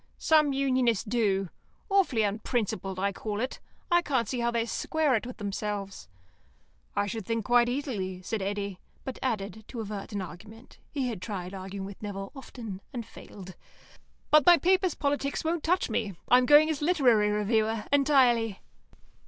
"Some Unionists do. Awfully unprincipled, I call it. I can't see how they square it with themselves." "I should think quite easily," said Eddy; but added, to avert an argument (he had tried arguing with Nevill often, and failed), "But my paper's politics won't touch me. I'm going as literary reviewer, entirely."